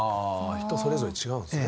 人それぞれ違うんですね。